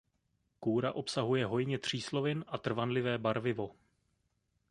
Kůra obsahuje hojně tříslovin a trvanlivé barvivo.